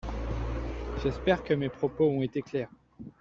J’espère que mes propos ont été clairs.